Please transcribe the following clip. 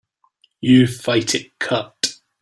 You fight it cut.